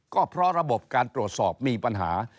ก็เพราะระบบการตรวจสอบมีปัญหา